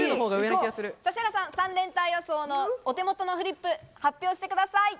指原さん、３連単予想のお手元のフリップ、発表してください。